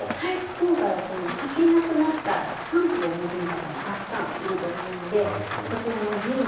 今回はこのはけなくなったパンツをお持ちの方もたくさんいると思うのでこちらのジーンズで挑戦してみて下さい。